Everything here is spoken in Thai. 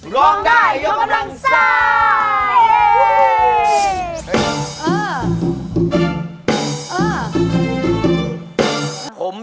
ร้องดายวงกำลังส่าย